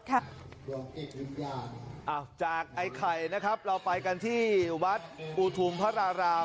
อ้าวจากไอ้ไข่นะครับเราไปกันที่วัดอุทุมพระราราม